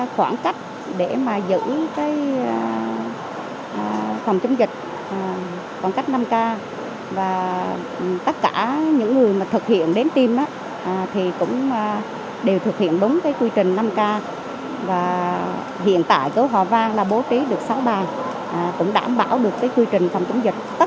khoảng cách và gửi giấy mời cho các đơn vị đến tim theo từng khung giờ